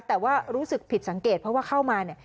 แต่ว่ารู้สึกผิดสังเกตเพราะว่าเข้ามาเนี่ย